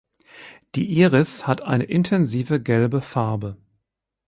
Die Iris hat eine intensive gelbe Farbe.